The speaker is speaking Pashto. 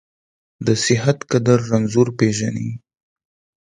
د صحت قدر رنځور پېژني .